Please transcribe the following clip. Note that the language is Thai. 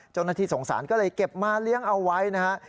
เจ้าหน้าที่สงสารก็เลยเก็บมาเลี้ยงเอาไว้นะฮะ